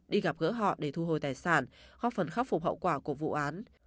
đi gặp gỡ họ để thu hồi tài sản góp phần khắc phục hậu quả của vụ án